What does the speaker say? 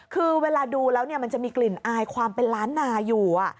คือเวลาดูแล้วมันจะมีกลิ่นอายความเป็นล้านนาอยู่